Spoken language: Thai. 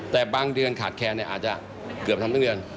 แต่บางเดือนขาดแคลนอาจจะเกือบทำให้เดือน